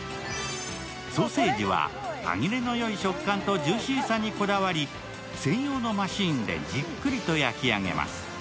ソーセージは歯切れのよい食感とジューシーさにこだわり専用のマシンでじっくりと焼き上げます。